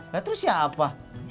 ya terus siapa